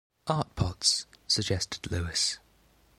"Art pots," suggested Lewis.